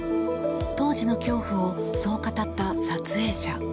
当時の恐怖をそう語った撮影者。